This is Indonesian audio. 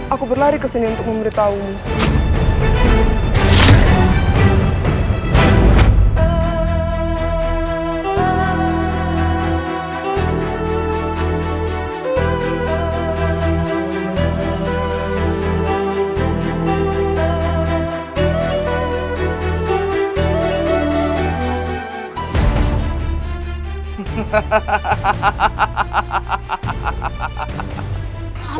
aku berlari kesini untuk memberitahumu